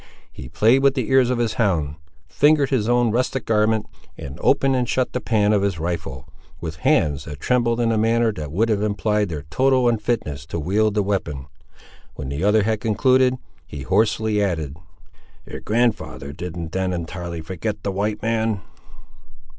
He played with the ears of his hound; fingered his own rustic garment, and opened and shut the pan of his rifle, with hands that trembled in a manner that would have implied their total unfitness to wield the weapon. When the other had concluded, he hoarsely added— "Your grand'ther didn't then entirely forget the white man!"